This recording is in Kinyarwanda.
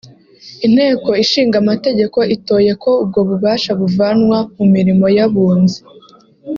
Inteko Ishinga Amategeko itoye ko ubwo bubasha buvanwa mu mirimo y’Abunzi